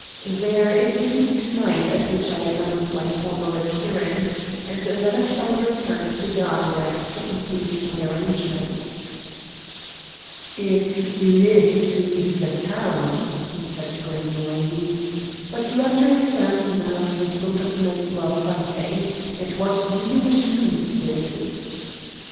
"There is a meeting to night at which I announce my formal adherence, and then I shall return to Gramberg to complete my arrangements." "If you live to leave the town," he said grimly. "But you understand now the sort of men you are fighting. And what do you wish me to do?"